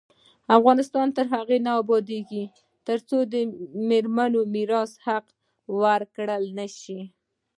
افغانستان تر هغو نه ابادیږي، ترڅو د میرمنو میراث حق ورکړل نشي.